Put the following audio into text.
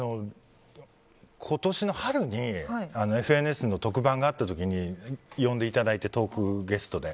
今年の春に「ＦＮＳ」の特番があった時に呼んでいただいてトークゲストで。